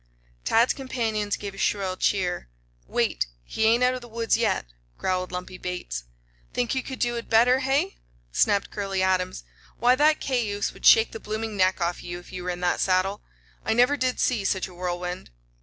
Tad's companions gave a shrill cheer. "Wait. He ain't out of the woods yet," growled Lumpy Bates. "Think you could do it better, hey?" snapped Curley Adams. "Why, that cayuse would shake the blooming neck off you if you were in that saddle. I never did see such a whirlwind."